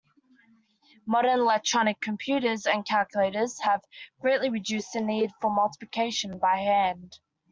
Modern electronic computers and calculators have greatly reduced the need for multiplication by hand.